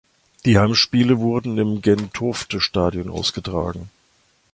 Die Heimspiele wurden im Gentofte Stadion ausgetragen.